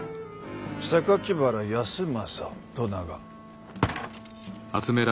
「原康政」と名が。